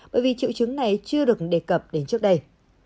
bởi vì triệu chứng này chưa được đề cập đến trước đây